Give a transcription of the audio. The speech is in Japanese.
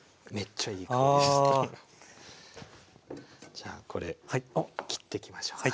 じゃあこれを切っていきましょうか。